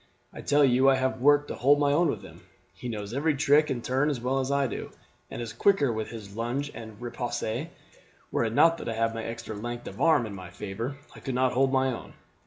I tell you I have work to hold my own with him; he knows every trick and turn as well as I do, and is quicker with his lunge and riposte. Were it not that I have my extra length of arm in my favour I could not hold my own.